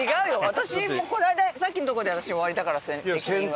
私さっきのとこで私は終わりだから責任は。